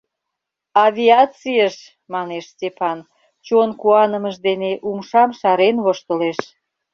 — Авиацийыш, — манеш Степан, чон куанымыж дене умшам шарен воштылеш.